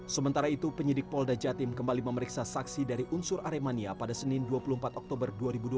sementara itu penyidik polda jatim kembali memeriksa saksi dari unsur aremania pada senin dua puluh empat oktober dua ribu dua puluh